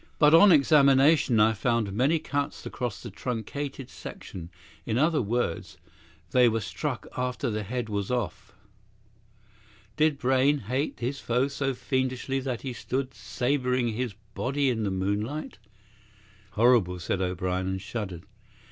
But on examination I found many cuts across the truncated section; in other words, they were struck after the head was off. Did Brayne hate his foe so fiendishly that he stood sabring his body in the moonlight?" "Horrible!" said O'Brien, and shuddered.